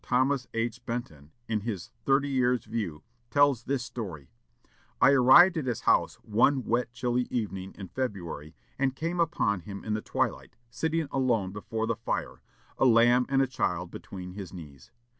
Thomas H. Benton, in his "Thirty Years' View," tells this story: "I arrived at his house one wet, chilly evening in February, and came upon him in the twilight, sitting alone before the fire, a lamb and a child between his knees.